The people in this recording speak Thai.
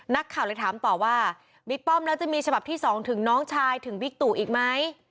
นักข่าวเลยถามต่อว่าบิ๊กป้อมแล้วจะมีฉบับที่๒ถึงน้องชายถึงบิ๊กตู่อีกไหม